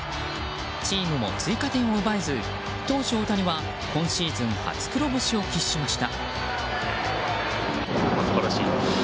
チームも追加点を奪えず投手大谷は今シーズン初黒星を喫しました。